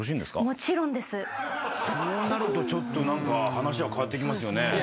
そうなるとちょっと話は変わってきますよね。